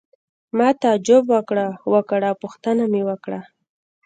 ما تعجب وکړ او پوښتنه مې وکړه.